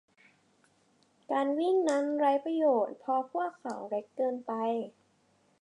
การวิ่งนั้นไร้ประโยชน์เพราะพวกเขาเล็กเกินไป